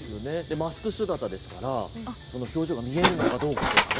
マスク姿ですから表情が見えるのかどうかとかね。